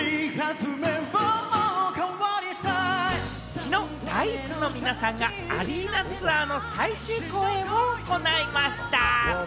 きのう、Ｄａ−ｉＣＥの皆さんがアリーナツアーの最終公演を行いました。